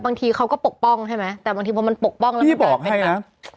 บางทีเขาก็ปกป้องใช่ไหมแต่บางทีพอมันปกป้องแล้วมันบอกให้มัน